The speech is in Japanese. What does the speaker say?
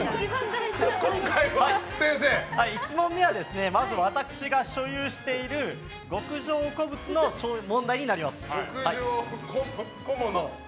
１問目は私が所有している極上小物の問題になります。